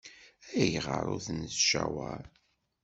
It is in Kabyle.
Ayɣer ur t-nettcawaṛ?